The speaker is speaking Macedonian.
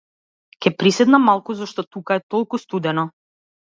Ќе приседнам малку зашто тука е толку студено.